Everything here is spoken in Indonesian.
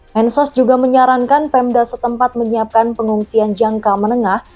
mensos juga menyarankan pemda setempat menyiapkan pengungsian jangka menengah